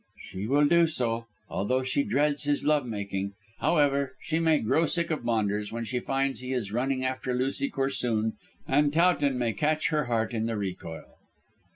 "She will do so, although she dreads his love making. However, she may grow sick of Maunders when she finds he is running after Lucy Corsoon, and Towton may catch her heart in the recoil."